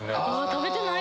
食べてないか。